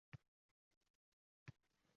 Bu so’z tez-tez ishlatiladimi?